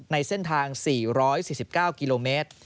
ในเส้นทาง๔๔๙กม